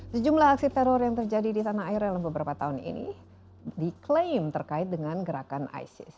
sejumlah aksi teror yang terjadi di tanah air dalam beberapa tahun ini diklaim terkait dengan gerakan isis